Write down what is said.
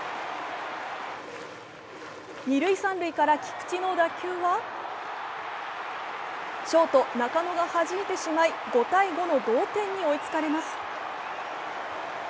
二塁・三塁から菊池の打球はショート・中野がはじいてしまい、５−５の同点に追いつかれます。